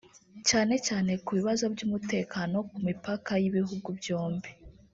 cyane cyane ku bibazo by’umutekano ku mipaka y’ibihugu byombi